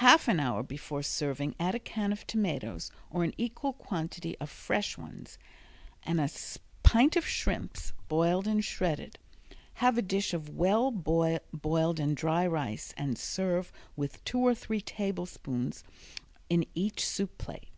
Half an hour before serving add a can of tomatoes or an equal quantity of fresh ones, and a pint of shrimps, boiled and shredded. Have a dish of well boiled and dry rice and serve with two or three tablespoonfuls in each soup plate.